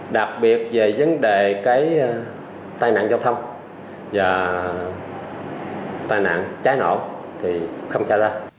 đặc biệt về vấn đề cái tai nạn giao thông và tai nạn trái nổ thì không trả ra